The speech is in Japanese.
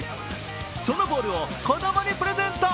そのボールを子供にプレゼント。